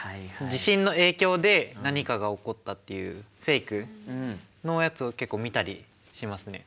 地震の影響で何かが起こったっていうフェイクのやつを結構見たりしますね。